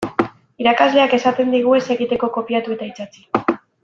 Irakasleak esaten digu ez egiteko kopiatu eta itsatsi.